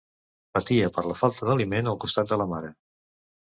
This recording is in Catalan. Patia per la falta d'aliment al costat de la mare.